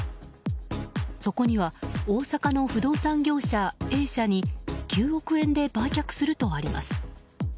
そこには大阪の不動産業者Ａ社に９億円で売却するとあります。